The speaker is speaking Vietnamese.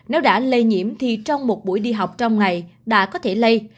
nếu đã lây nhiễm thì trong một buổi đi học trong ngày đã có thể lây